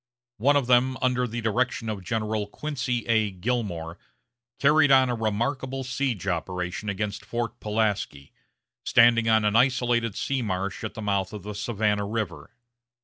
One of them, under the direction of General Quincy A. Gillmore, carried on a remarkable siege operation against Fort Pulaski, standing on an isolated sea marsh at the mouth of the Savannah River.